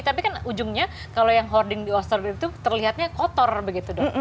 tapi kan ujungnya kalau yang hoarding di australia itu terlihatnya kotor begitu dok